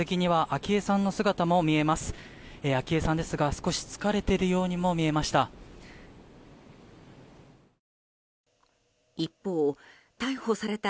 昭恵さんですが少し疲れているようにも見えました。